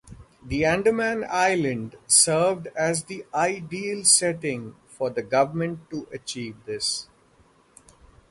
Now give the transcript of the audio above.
The Andaman island served as the ideal setting for the government to achieve this.